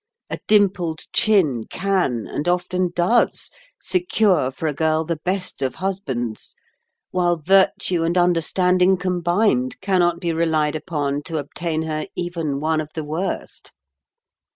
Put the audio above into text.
A dimpled chin can, and often does, secure for a girl the best of husbands; while virtue and understanding combined cannot be relied upon to obtain her even one of the worst."